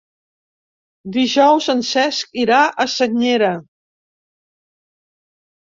Dijous en Cesc irà a Senyera.